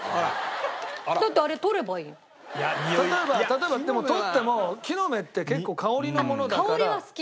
例えばでも取っても木の芽って結構香りのものだから。